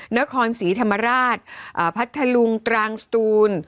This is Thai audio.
นครสีธรรมราชผมตรางส์ตูน